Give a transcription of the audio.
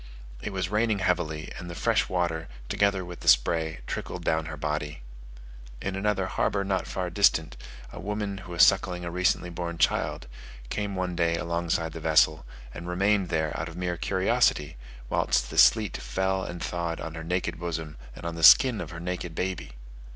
It was raining heavily, and the fresh water, together with the spray, trickled down her body. In another harbour not far distant, a woman, who was suckling a recently born child, came one day alongside the vessel, and remained there out of mere curiosity, whilst the sleet fell and thawed on her naked bosom, and on the skin of her naked baby!